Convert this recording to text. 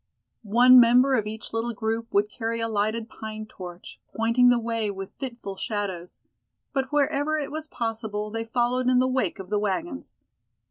One member of each little group would carry a lighted pine torch, pointing the way with fitful shadows. But wherever it was possible they followed in the wake of the wagons.